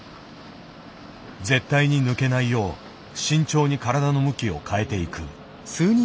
絶対に抜けないよう慎重に体の向きを変えていく。